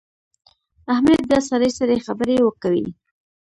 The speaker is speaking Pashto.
احمد بیا سړې سړې خبرې کوي.